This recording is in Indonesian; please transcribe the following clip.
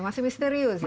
masih misterius ya